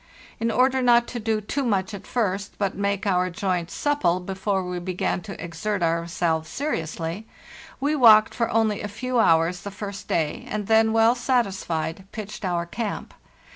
In order not to do too much at first, but make our joints supple before we began to exert ourselves seriously, we walked for only a few hours the first day, and then, well satisfied, pitched our camp.